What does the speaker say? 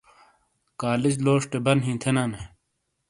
کالج لوشٹے بن ھی تھے نا